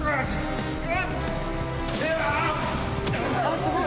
すごい！